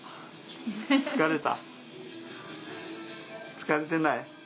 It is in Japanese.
疲れてない？